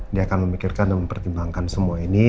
dia akan memikirkan dan mempertimbangkan semua ini